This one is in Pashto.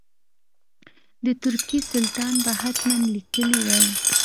د ترکیې سلطان به حتما لیکلي وای.